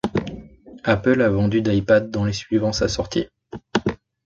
Apple a vendu d'iPad dans les suivant sa sortie.